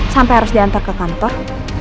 sampai harus diantar ke kantor